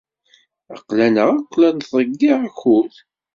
Aql-aneɣ akk la nettḍeyyiɛ akud.